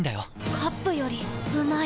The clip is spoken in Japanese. カップよりうまい